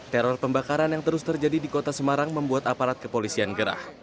teror pembakaran yang terus terjadi di kota semarang membuat aparat kepolisian gerah